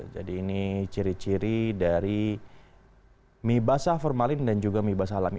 jadi ini ciri ciri dari mie basah formalin dan juga mie basah alami